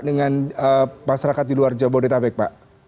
dengan masyarakat di luar jabodetabek pak